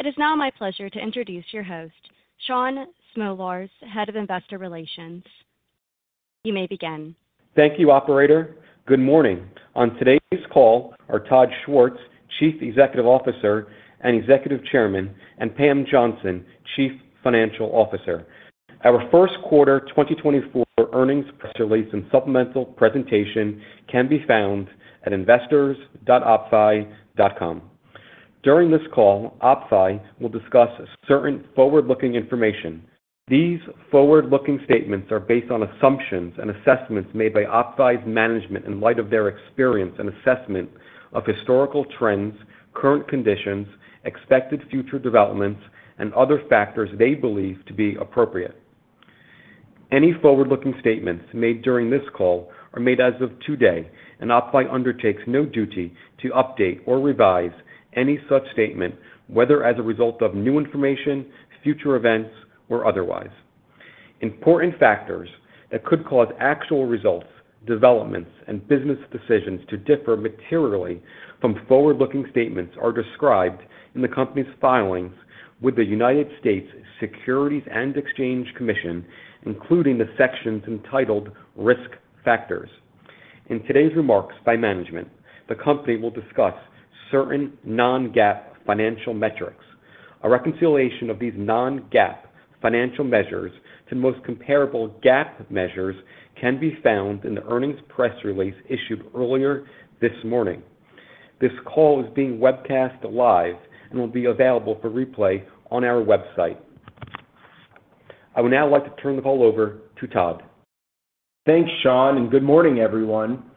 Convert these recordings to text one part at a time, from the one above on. It is now my pleasure to introduce your host, Shaun Smolarz, Head of Investor Relations. You may begin. Thank you, Operator. Good morning. On today's call are Todd Schwartz, Chief Executive Officer and Executive Chairman, and Pam Johnson, Chief Financial Officer. Our first quarter 2024 earnings press release and supplemental presentation can be found at investors.oppfi.com. During this call, OppFi will discuss certain forward-looking information. These forward-looking statements are based on assumptions and assessments made by OppFi's management in light of their experience and assessment of historical trends, current conditions, expected future developments, and other factors they believe to be appropriate. Any forward-looking statements made during this call are made as of today, and OppFi undertakes no duty to update or revise any such statement, whether as a result of new information, future events, or otherwise. Important factors that could cause actual results, developments, and business decisions to differ materially from forward-looking statements are described in the company's filings with the United States Securities and Exchange Commission, including the sections entitled Risk Factors. In today's remarks by management, the company will discuss certain non-GAAP financial metrics. A reconciliation of these non-GAAP financial measures to most comparable GAAP measures can be found in the earnings press release issued earlier this morning. This call is being webcast live and will be available for replay on our website. I would now like to turn the call over to Todd. Thanks, Shaun, and good morning, everyone.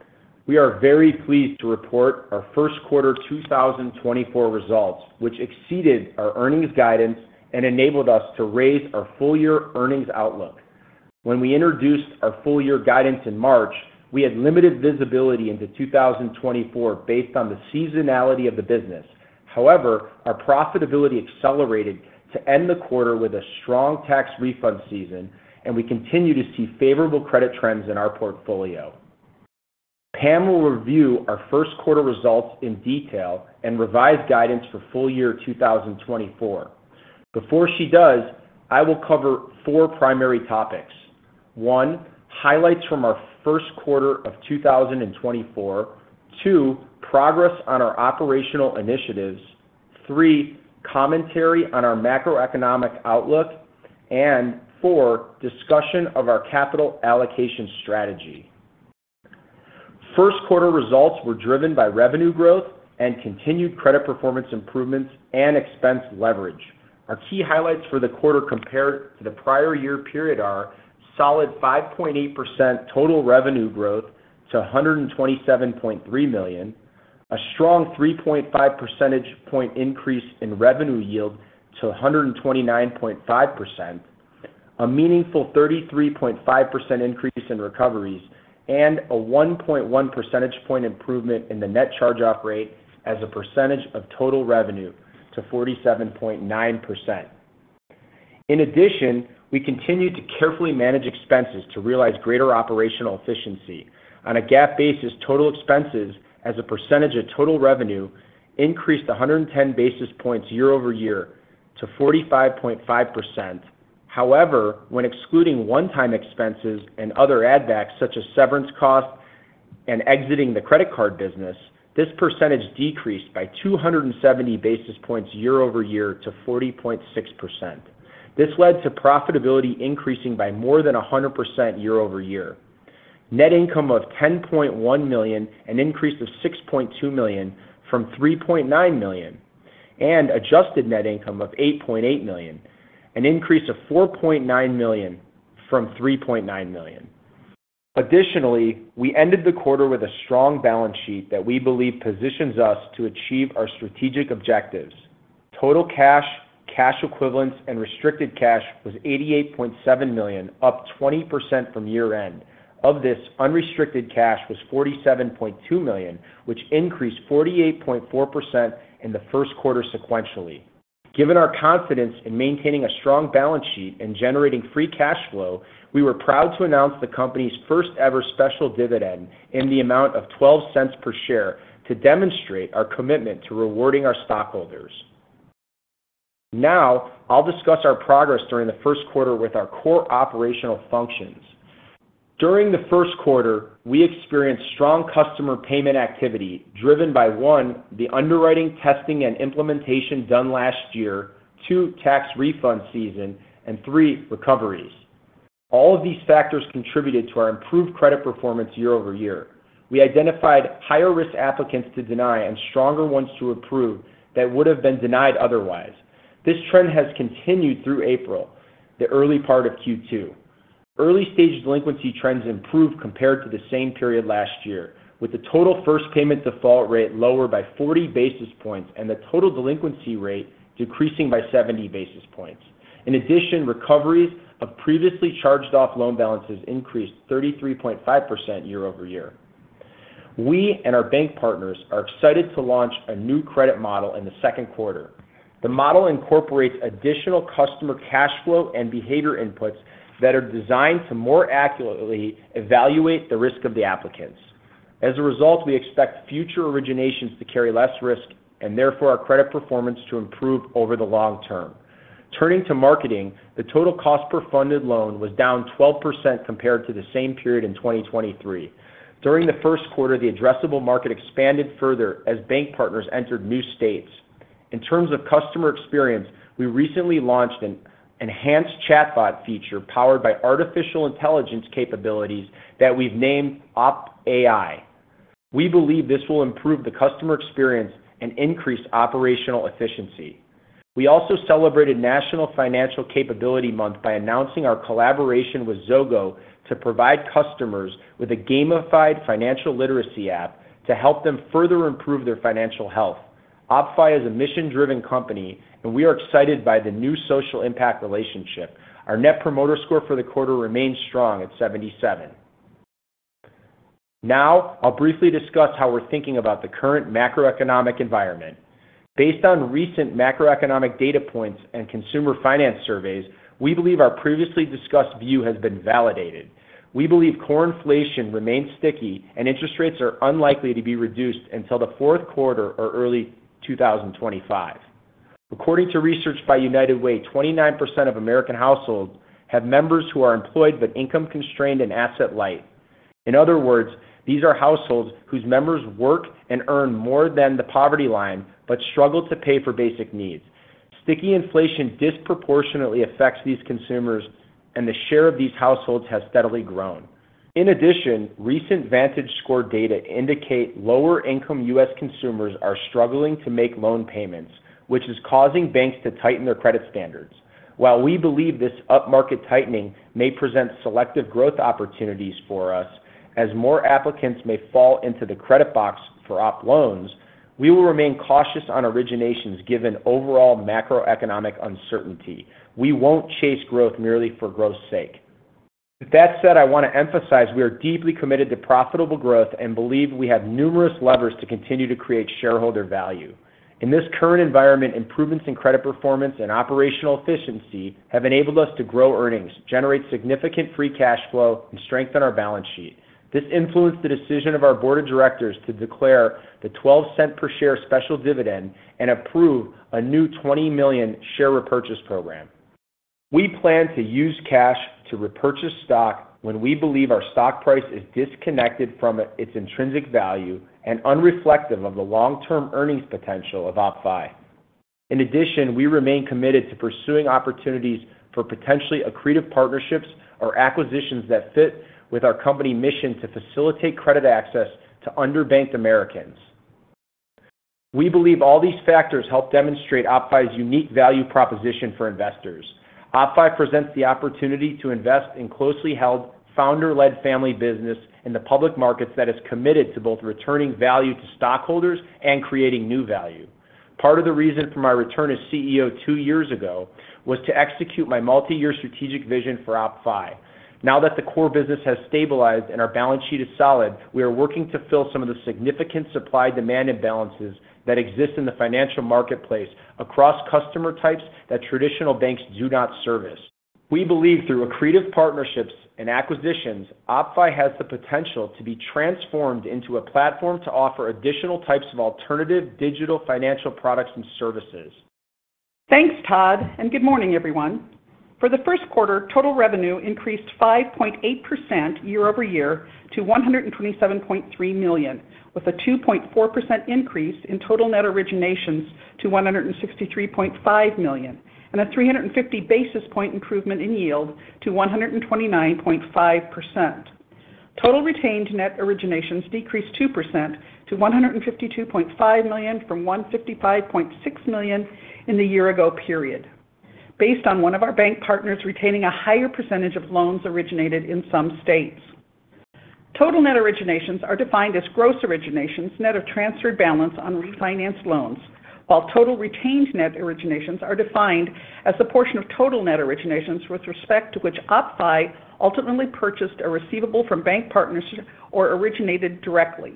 We are very pleased to report our first quarter 2024 results, which exceeded our earnings guidance and enabled us to raise our full-year earnings outlook. When we introduced our full-year guidance in March, we had limited visibility into 2024 based on the seasonality of the business. However, our profitability accelerated to end the quarter with a strong tax refund season, and we continue to see favorable credit trends in our portfolio. Pam will review our first quarter results in detail and revise guidance for full year 2024. Before she does, I will cover four primary topics: one, highlights from our first quarter of 2024; two, progress on our operational initiatives; three, commentary on our macroeconomic outlook; and four, discussion of our capital allocation strategy. First quarter results were driven by revenue growth and continued credit performance improvements and expense leverage. Our key highlights for the quarter compared to the prior year period are solid 5.8% total revenue growth to $127.3 million, a strong 3.5 percentage point increase in revenue yield to 129.5%, a meaningful 33.5% increase in recoveries, and a 1.1 percentage point improvement in the net charge-off rate as a percentage of total revenue to 47.9%. In addition, we continue to carefully manage expenses to realize greater operational efficiency. On a GAAP basis, total expenses as a percentage of total revenue increased 110 basis points year-over-year to 45.5%. However, when excluding one-time expenses and other add-backs such as severance costs and exiting the credit card business, this percentage decreased by 270 basis points year-over-year to 40.6%. This led to profitability increasing by more than 100% year-over-year, net income of $10.1 million, an increase of $6.2 million from $3.9 million, and adjusted net income of $8.8 million, an increase of $4.9 million from $3.9 million. Additionally, we ended the quarter with a strong balance sheet that we believe positions us to achieve our strategic objectives. Total cash, cash equivalents, and restricted cash was $88.7 million, up 20% from year-end. Of this, unrestricted cash was $47.2 million, which increased 48.4% in the first quarter sequentially. Given our confidence in maintaining a strong balance sheet and generating free cash flow, we were proud to announce the company's first-ever special dividend in the amount of $0.12 per share to demonstrate our commitment to rewarding our stockholders. Now I'll discuss our progress during the first quarter with our core operational functions. During the first quarter, we experienced strong customer payment activity driven by one, the underwriting, testing, and implementation done last year, two, tax refund season, and three, recoveries. All of these factors contributed to our improved credit performance year-over-year. We identified higher-risk applicants to deny and stronger ones to approve that would have been denied otherwise. This trend has continued through April, the early part of Q2. Early-stage delinquency trends improved compared to the same period last year, with the total first-payment default rate lower by 40 basis points and the total delinquency rate decreasing by 70 basis points. In addition, recoveries of previously charged-off loan balances increased 33.5% year-over-year. We and our bank partners are excited to launch a new credit model in the second quarter. The model incorporates additional customer cash flow and behavior inputs that are designed to more accurately evaluate the risk of the applicants. As a result, we expect future originations to carry less risk and, therefore, our credit performance to improve over the long term. Turning to marketing, the total cost-per-funded loan was down 12% compared to the same period in 2023. During the first quarter, the addressable market expanded further as bank partners entered new states. In terms of customer experience, we recently launched an enhanced chatbot feature powered by artificial intelligence capabilities that we've named OppAI. We believe this will improve the customer experience and increase operational efficiency. We also celebrated National Financial Capability Month by announcing our collaboration with Zogo to provide customers with a gamified financial literacy app to help them further improve their financial health. OppFi is a mission-driven company, and we are excited by the new social impact relationship. Our Net Promoter Score for the quarter remains strong at 77. Now I'll briefly discuss how we're thinking about the current macroeconomic environment. Based on recent macroeconomic data points and consumer finance surveys, we believe our previously discussed view has been validated. We believe core inflation remains sticky, and interest rates are unlikely to be reduced until the fourth quarter or early 2025. According to research by United Way, 29% of American households have members who are employed but income-constrained and asset-light. In other words, these are households whose members work and earn more than the poverty line but struggle to pay for basic needs. Sticky inflation disproportionately affects these consumers, and the share of these households has steadily grown. In addition, recent VantageScore data indicate lower-income U.S. Consumers are struggling to make loan payments, which is causing banks to tighten their credit standards. While we believe this upmarket tightening may present selective growth opportunities for us, as more applicants may fall into the credit box for OppLoans, we will remain cautious on originations given overall macroeconomic uncertainty. We won't chase growth merely for growth's sake. With that said, I want to emphasize we are deeply committed to profitable growth and believe we have numerous levers to continue to create shareholder value. In this current environment, improvements in credit performance and operational efficiency have enabled us to grow earnings, generate significant free cash flow, and strengthen our balance sheet. This influenced the decision of our board of directors to declare the $0.12 per share special dividend and approve a new 20 million share repurchase program. We plan to use cash to repurchase stock when we believe our stock price is disconnected from its intrinsic value and unreflective of the long-term earnings potential of OppFi. In addition, we remain committed to pursuing opportunities for potentially accretive partnerships or acquisitions that fit with our company's mission to facilitate credit access to underbanked Americans. We believe all these factors help demonstrate OppFi's unique value proposition for investors. OppFi presents the opportunity to invest in closely held, founder-led family business in the public markets that is committed to both returning value to stockholders and creating new value. Part of the reason for my return as CEO two years ago was to execute my multi-year strategic vision for OppFi. Now that the core business has stabilized and our balance sheet is solid, we are working to fill some of the significant supply-demand imbalances that exist in the financial marketplace across customer types that traditional banks do not service. We believe through accretive partnerships and acquisitions, OppFi has the potential to be transformed into a platform to offer additional types of alternative digital financial products and services. Thanks, Todd, and good morning, everyone. For the first quarter, total revenue increased 5.8% year-over-year to $127.3 million, with a 2.4% increase in total net originations to $163.5 million and a 350 basis point improvement in yield to 129.5%. Total retained net originations decreased 2% to $152.5 million from $155.6 million in the year-ago period, based on one of our bank partners retaining a higher percentage of loans originated in some states. Total net originations are defined as gross originations, net of transferred balance on refinanced loans, while total retained net originations are defined as the portion of total net originations with respect to which OppFi ultimately purchased a receivable from bank partners or originated directly.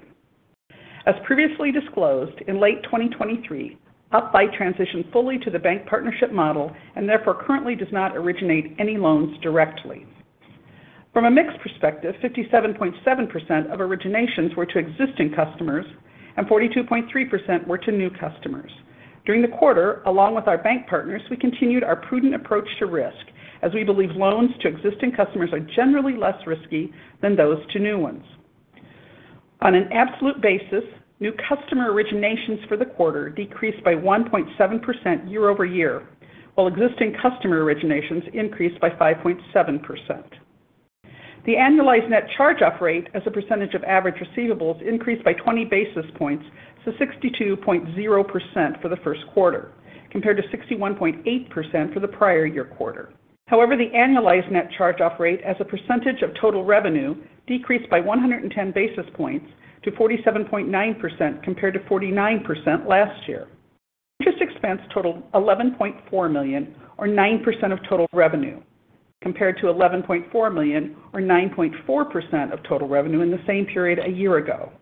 As previously disclosed, in late 2023, OppFi transitioned fully to the bank partnership model and therefore currently does not originate any loans directly. From a mixed perspective, 57.7% of originations were to existing customers and 42.3% were to new customers. During the quarter, along with our bank partners, we continued our prudent approach to risk, as we believe loans to existing customers are generally less risky than those to new ones. On an absolute basis, new customer originations for the quarter decreased by 1.7% year-over-year, while existing customer originations increased by 5.7%. The annualized net charge-off rate, as a percentage of average receivables, increased by 20 basis points to 62.0% for the first quarter, compared to 61.8% for the prior year quarter. However, the annualized net charge-off rate, as a percentage of total revenue, decreased by 110 basis points to 47.9% compared to 49% last year. Interest expense totaled $11.4 million, or 9% of total revenue, compared to $11.4 million, or 9.4% of total revenue in the same period a year ago.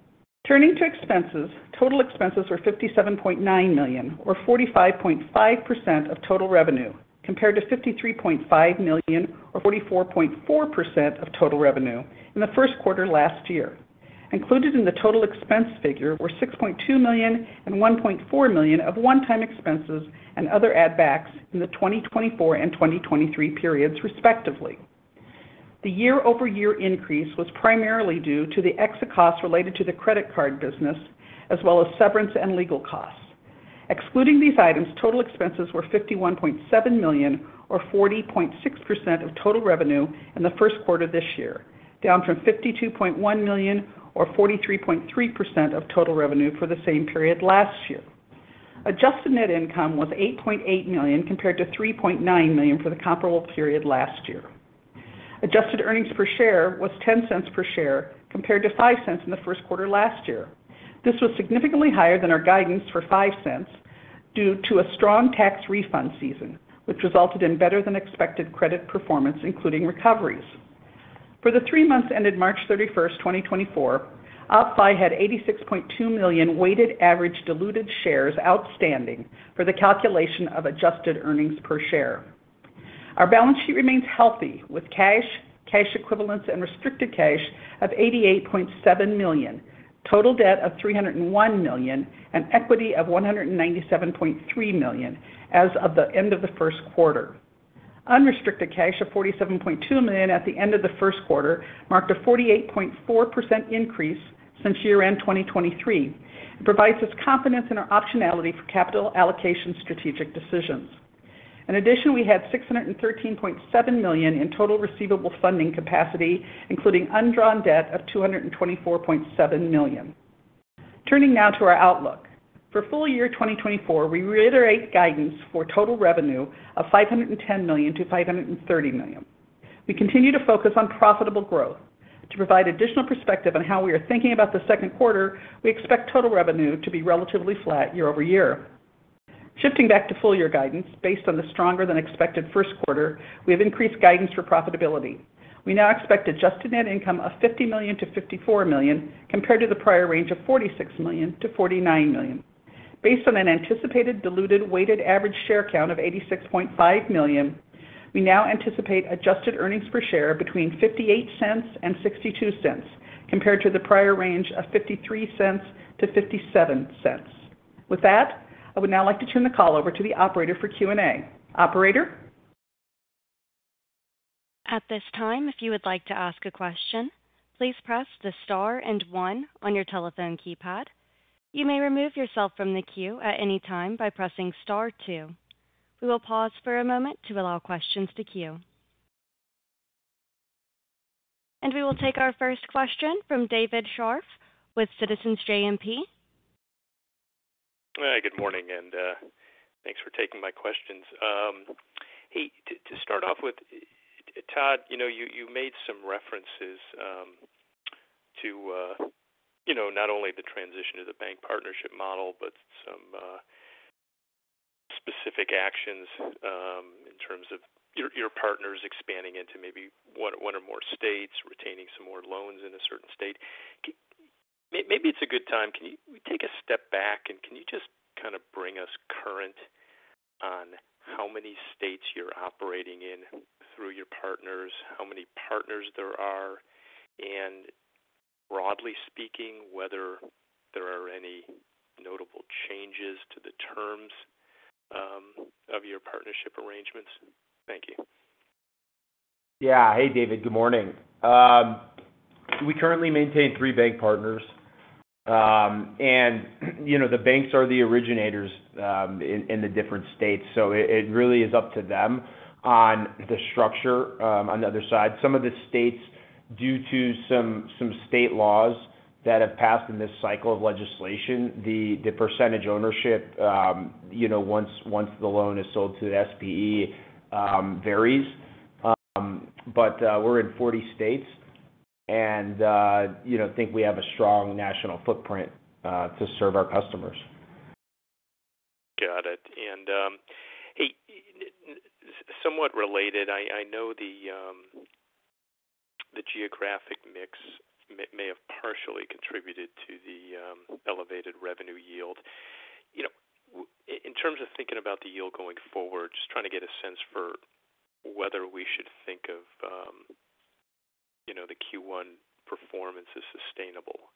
Turning to expenses, total expenses were $57.9 million, or 45.5% of total revenue, compared to $53.5 million, or 44.4% of total revenue in the first quarter last year. Included in the total expense figure were $6.2 million and $1.4 million of one-time expenses and other add-backs in the 2024 and 2023 periods, respectively. The year-over-year increase was primarily due to the exit costs related to the credit card business as well as severance and legal costs. Excluding these items, total expenses were $51.7 million, or 40.6% of total revenue in the first quarter this year, down from $52.1 million, or 43.3% of total revenue for the same period last year. Adjusted Net Income was $8.8 million compared to $3.9 million for the comparable period last year. Adjusted Earnings Per Share was $0.10 per share compared to $0.05 in the first quarter last year. This was significantly higher than our guidance for $0.05 due to a strong tax refund season, which resulted in better-than-expected credit performance, including recoveries. For the three months ended March 31st, 2024, OppFi had 86.2 million weighted average diluted shares outstanding for the calculation of Adjusted Earnings Per Share. Our balance sheet remains healthy, with cash, cash equivalents, and restricted cash of $88.7 million, total debt of $301 million, and equity of $197.3 million as of the end of the first quarter. Unrestricted cash of $47.2 million at the end of the first quarter marked a 48.4% increase since year-end 2023 and provides us confidence in our optionality for capital allocation strategic decisions. In addition, we had $613.7 million in total receivable funding capacity, including undrawn debt of $224.7 million. Turning now to our outlook, for full year 2024, we reiterate guidance for total revenue of $510 million-$530 million. We continue to focus on profitable growth. To provide additional perspective on how we are thinking about the second quarter, we expect total revenue to be relatively flat year-over-year. Shifting back to full year guidance, based on the stronger-than-expected first quarter, we have increased guidance for profitability. We now expect adjusted net income of $50 million-$54 million compared to the prior range of $46 million-$49 million. Based on an anticipated diluted weighted average share count of 86.5 million, we now anticipate adjusted earnings per share between $0.58 and $0.62 compared to the prior range of $0.53-$0.57. With that, I would now like to turn the call over to the operator for Q&A. Operator? At this time, if you would like to ask a question, please press the star and one on your telephone keypad. You may remove yourself from the queue at any time by pressing star two. We will pause for a moment to allow questions to queue. We will take our first question from David Scharf with Citizens JMP. Hi, good morning, and thanks for taking my questions. Hey, to start off with, Todd, you made some references to not only the transition to the bank partnership model but some specific actions in terms of your partners expanding into maybe one or more states, retaining some more loans in a certain state. Maybe it's a good time. Can we take a step back, and can you just kind of bring us current on how many states you're operating in through your partners, how many partners there are, and broadly speaking, whether there are any notable changes to the terms of your partnership arrangements? Thank you. Yeah. Hey, David. Good morning. We currently maintain three bank partners, and the banks are the originators in the different states, so it really is up to them on the structure on the other side. Some of the states, due to some state laws that have passed in this cycle of legislation, the percentage ownership once the loan is sold to the SPE varies. But we're in 40 states and think we have a strong national footprint to serve our customers. Got it. And hey, somewhat related, I know the geographic mix may have partially contributed to the elevated revenue yield. In terms of thinking about the yield going forward, just trying to get a sense for whether we should think of the Q1 performance as sustainable,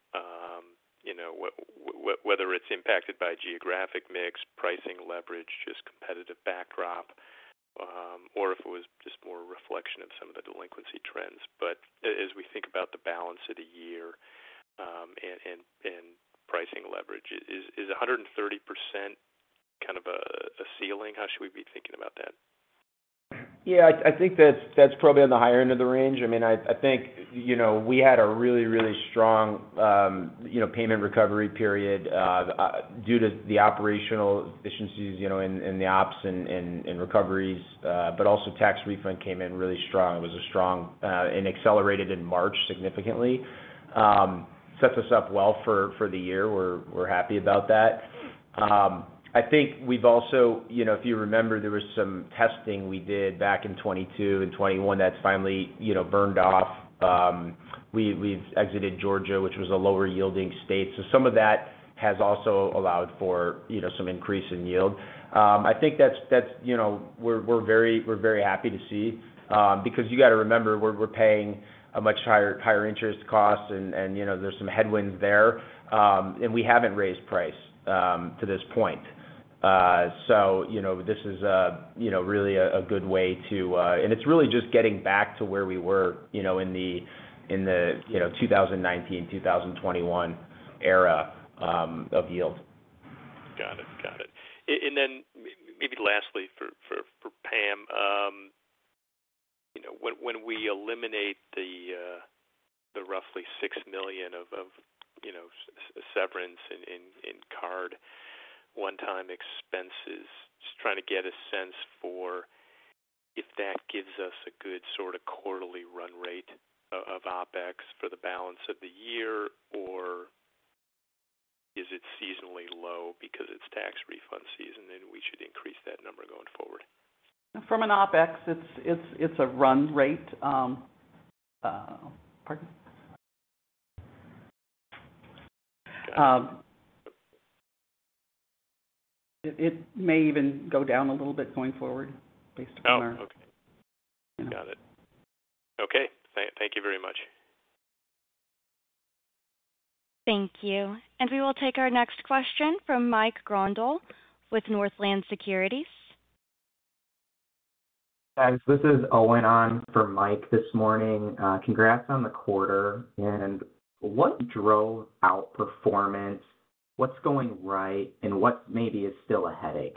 whether it's impacted by geographic mix, pricing leverage, just competitive backdrop, or if it was just more a reflection of some of the delinquency trends. But as we think about the balance of the year and pricing leverage, is 130% kind of a ceiling? How should we be thinking about that? Yeah, I think that's probably on the higher end of the range. I mean, I think we had a really, really strong payment recovery period due to the operational efficiencies in the ops and recoveries, but also tax refund came in really strong. It was strong and accelerated in March significantly. Sets us up well for the year. We're happy about that. I think we've also, if you remember, there was some testing we did back in 2022 and 2021 that's finally burned off. We've exited Georgia, which was a lower-yielding state. So some of that has also allowed for some increase in yield. I think that's why we're very happy to see because you got to remember, we're paying a much higher interest cost, and there's some headwinds there, and we haven't raised price to this point. This is really a good way to and it's really just getting back to where we were in the 2019, 2021 era of yield. Got it. Got it. And then maybe lastly for Pam, when we eliminate the roughly $6 million of severance in card one-time expenses, just trying to get a sense for if that gives us a good sort of quarterly run rate of OpEx for the balance of the year, or is it seasonally low because it's tax refund season, and we should increase that number going forward? From an OpEx, it's a run rate. Pardon? It may even go down a little bit going forward based upon our. Oh, okay. Got it. Okay. Thank you very much. Thank you. We will take our next question from Mike Grondahl with Northland Securities. Guys, this is Owen on for Mike this morning. Congrats on the quarter. What drove our performance? What's going right, and what maybe is still a headache?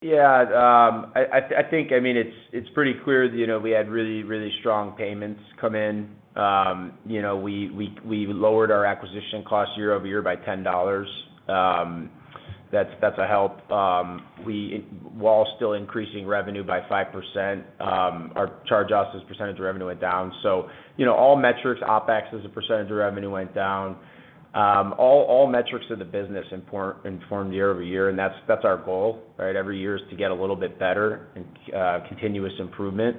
Yeah. I think, I mean, it's pretty clear that we had really, really strong payments come in. We lowered our acquisition cost year-over-year by $10. That's a help. While still increasing revenue by 5%, our charge-offs as percentage of revenue went down. So all metrics, OpEx as a percentage of revenue went down. All metrics of the business improved year-over-year, and that's our goal, right? Every year is to get a little bit better and continuous improvement.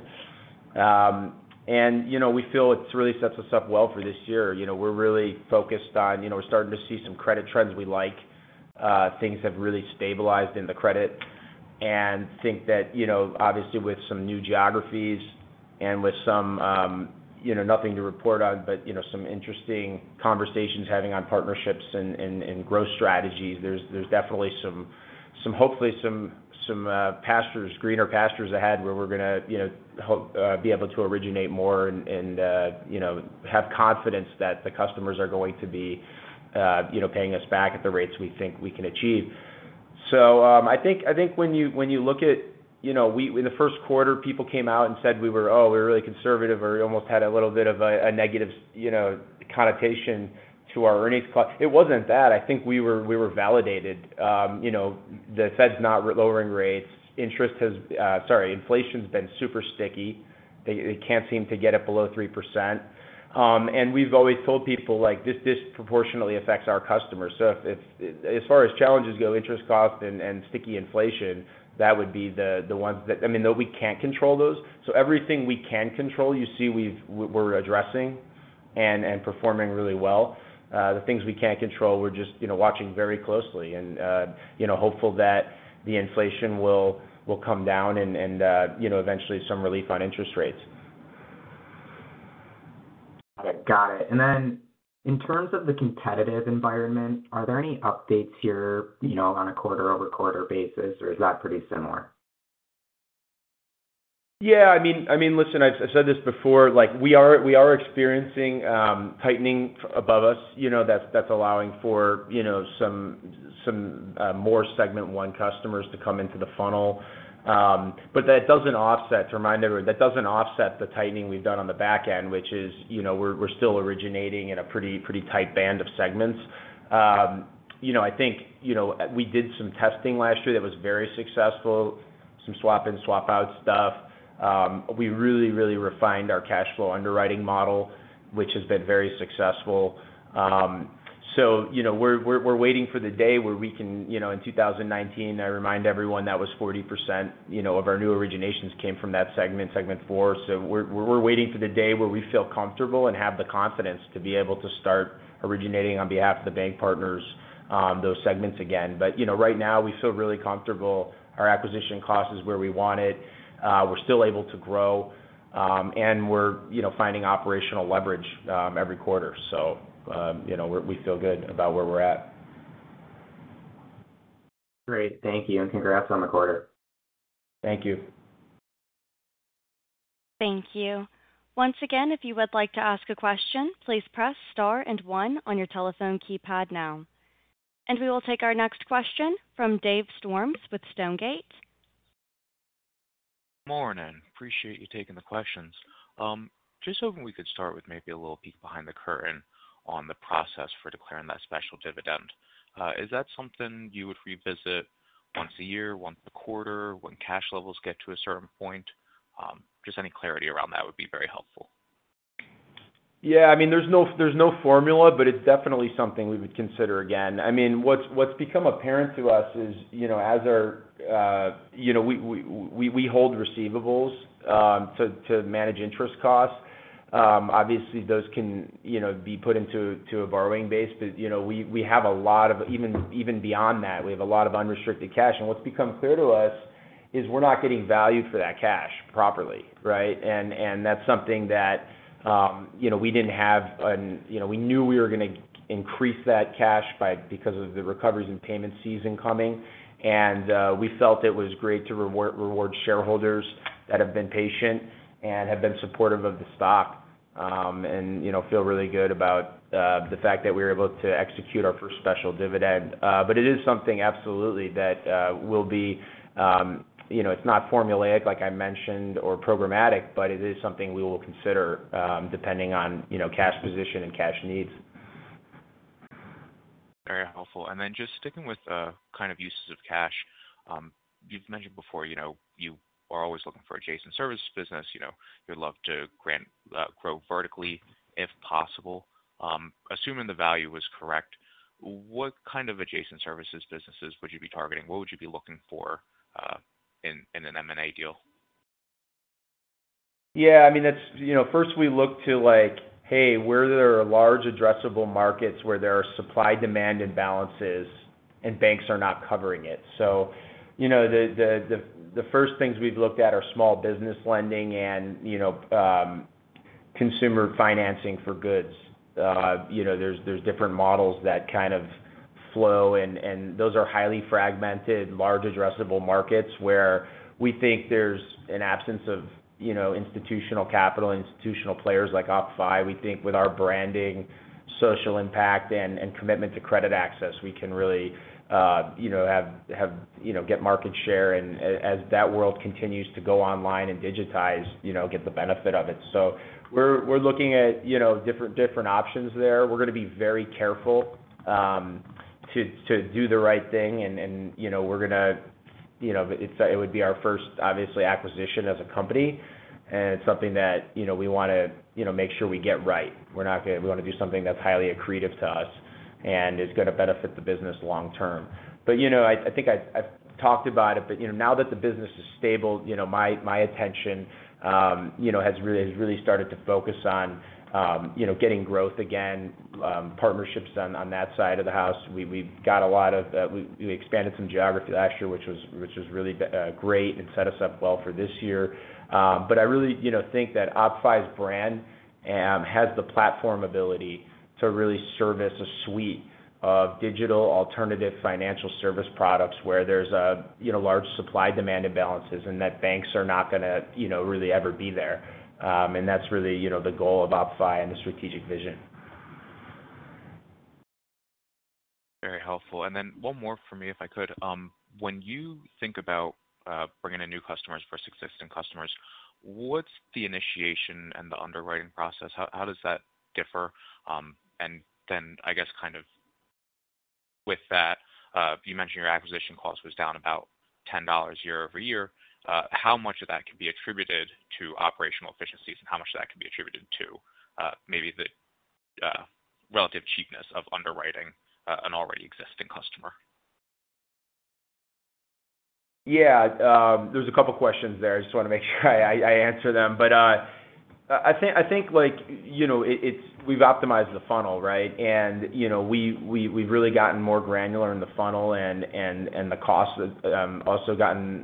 We feel it really sets us up well for this year. We're really focused on; we're starting to see some credit trends we like. Things have really stabilized in the credit. And I think that, obviously, with some new geographies and with some nothing to report on, but some interesting conversations having on partnerships and growth strategies, there's definitely some hopefully some pastures, greener pastures ahead where we're going to be able to originate more and have confidence that the customers are going to be paying us back at the rates we think we can achieve. So I think when you look at in the first quarter, people came out and said we were, "Oh, we're really conservative," or we almost had a little bit of a negative connotation to our earnings it wasn't that. I think we were validated. The Fed's not lowering rates. Interest has. Sorry, inflation's been super sticky. They can't seem to get it below 3%. And we've always told people this disproportionately affects our customers. So as far as challenges go, interest cost and sticky inflation, that would be the ones that I mean, though we can't control those. So everything we can control, you see we're addressing and performing really well. The things we can't control, we're just watching very closely and hopeful that the inflation will come down and eventually some relief on interest rates. Got it. Got it. In terms of the competitive environment, are there any updates here on a quarter-over-quarter basis, or is that pretty similar? Yeah. I mean, listen, I've said this before. We are experiencing tightening above us that's allowing for some more segment one customers to come into the funnel. But that doesn't offset. To remind everyone, that doesn't offset the tightening we've done on the back end, which is we're still originating in a pretty tight band of segments. I think we did some testing last year that was very successful, some swap-in, swap-out stuff. We really, really refined our cash flow underwriting model, which has been very successful. So we're waiting for the day where we can. In 2019, I remind everyone that was 40% of our new originations came from that segment, segment four. So we're waiting for the day where we feel comfortable and have the confidence to be able to start originating on behalf of the bank partners those segments again. But right now, we feel really comfortable. Our acquisition cost is where we want it. We're still able to grow, and we're finding operational leverage every quarter. So we feel good about where we're at. Great. Thank you, and congrats on the quarter. Thank you. Thank you. Once again, if you would like to ask a question, please press star and one on your telephone keypad now. We will take our next question from Dave Storms with Stonegate. Good morning. Appreciate you taking the questions. Just hoping we could start with maybe a little peek behind the curtain on the process for declaring that special dividend. Is that something you would revisit once a year, once a quarter, when cash levels get to a certain point? Just any clarity around that would be very helpful. Yeah. I mean, there's no formula, but it's definitely something we would consider again. I mean, what's become apparent to us is as we hold receivables to manage interest costs. Obviously, those can be put into a borrowing base, but we have a lot of, even beyond that, we have a lot of unrestricted cash. And what's become clear to us is we're not getting valued for that cash properly, right? And that's something that we didn't have, and we knew we were going to increase that cash because of the recoveries and payment season coming, and we felt it was great to reward shareholders that have been patient and have been supportive of the stock and feel really good about the fact that we were able to execute our first special dividend. But it is something, absolutely, that will be, it's not formulaic, like I mentioned, or programmatic, but it is something we will consider depending on cash position and cash needs. Very helpful. And then just sticking with kind of uses of cash, you've mentioned before you are always looking for adjacent services business. You'd love to grow vertically if possible. Assuming the value was correct, what kind of adjacent services businesses would you be targeting? What would you be looking for in an M&A deal? Yeah. I mean, first, we look to, hey, where there are large addressable markets where there are supply-demand imbalances and banks are not covering it. So the first things we've looked at are small business lending and consumer financing for goods. There's different models that kind of flow, and those are highly fragmented, large addressable markets where we think there's an absence of institutional capital, institutional players like OppFi. We think with our branding, social impact, and commitment to credit access, we can really have get market share. And as that world continues to go online and digitize, get the benefit of it. So we're looking at different options there. We're going to be very careful to do the right thing, and we're going to it would be our first, obviously, acquisition as a company, and it's something that we want to make sure we get right. We want to do something that's highly accretive to us and is going to benefit the business long term. But I think I've talked about it, but now that the business is stable, my attention has really started to focus on getting growth again, partnerships on that side of the house. We expanded some geography last year, which was really great and set us up well for this year. But I really think that OppFi's brand has the platform ability to really service a suite of digital alternative financial service products where there's large supply-demand imbalances and that banks are not going to really ever be there. And that's really the goal of OppFi and the strategic vision. Very helpful. And then one more for me, if I could. When you think about bringing in new customers versus existing customers, what's the initiation and the underwriting process? How does that differ? And then, I guess, kind of with that, you mentioned your acquisition cost was down about $10 year-over-year. How much of that can be attributed to operational efficiencies and how much of that can be attributed to maybe the relative cheapness of underwriting an already existing customer? Yeah. There's a couple of questions there. I just want to make sure I answer them. But I think we've optimized the funnel, right? And we've really gotten more granular in the funnel, and the costs also gotten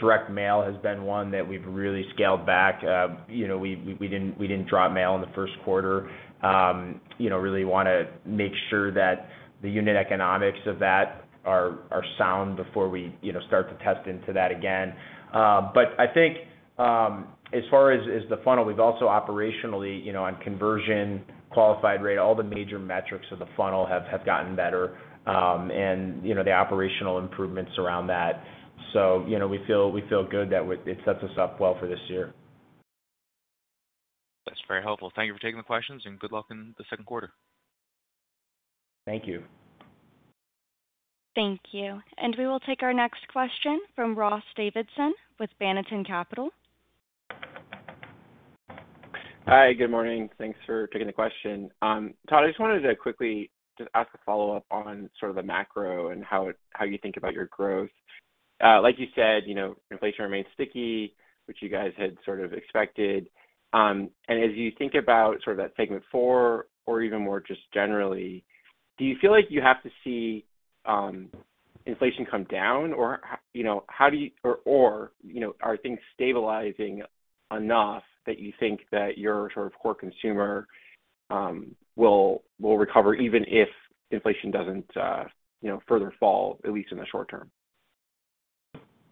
direct mail has been one that we've really scaled back. We didn't drop mail in the first quarter. Really want to make sure that the unit economics of that are sound before we start to test into that again. But I think as far as the funnel, we've also operationally on conversion, qualified rate, all the major metrics of the funnel have gotten better and the operational improvements around that. So we feel good that it sets us up well for this year. That's very helpful. Thank you for taking the questions, and good luck in the second quarter. Thank you. Thank you. We will take our next question from Ross Davidson with Banneton Capital. Hi. Good morning. Thanks for taking the question. Todd, I just wanted to quickly just ask a follow-up on sort of the macro and how you think about your growth. Like you said, inflation remains sticky, which you guys had sort of expected. And as you think about sort of that segment four or even more just generally, do you feel like you have to see inflation come down, or how do you or are things stabilizing enough that you think that your sort of core consumer will recover even if inflation doesn't further fall, at least in the short term?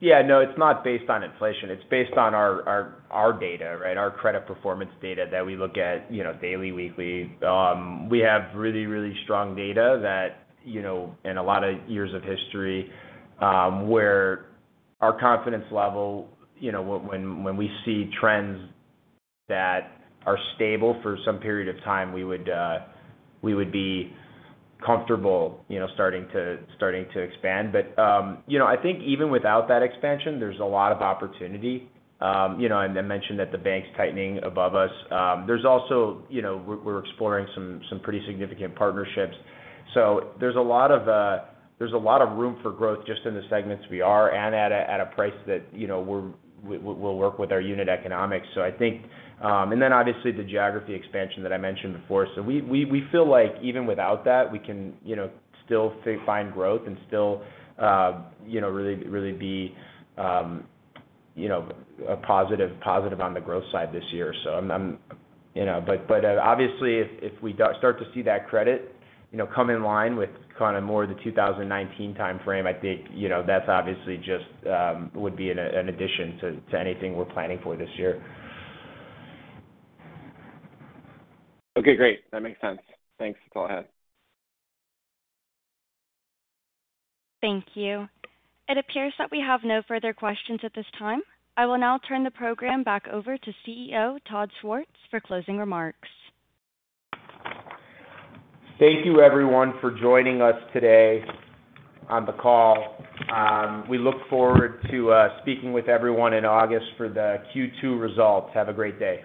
Yeah. No, it's not based on inflation. It's based on our data, right? Our credit performance data that we look at daily, weekly. We have really, really strong data in a lot of years of history where our confidence level, when we see trends that are stable for some period of time, we would be comfortable starting to expand. But I think even without that expansion, there's a lot of opportunity. And I mentioned that the bank's tightening above us. There's also we're exploring some pretty significant partnerships. So there's a lot of room for growth just in the segments we are and at a price that we'll work with our unit economics. So I think and then, obviously, the geography expansion that I mentioned before. So we feel like even without that, we can still find growth and still really, really be positive on the growth side this year. So, but obviously, if we start to see that credit come in line with kind of more of the 2019 timeframe, I think that's, obviously, just would be an addition to anything we're planning for this year. Okay. Great. That makes sense. Thanks. That's all I had. Thank you. It appears that we have no further questions at this time. I will now turn the program back over to CEO Todd Schwartz for closing remarks. Thank you, everyone, for joining us today on the call. We look forward to speaking with everyone in August for the Q2 results. Have a great day.